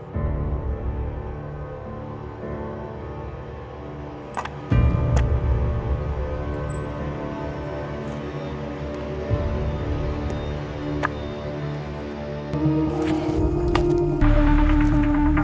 namun kenapa kami tidak bekerjasama lagi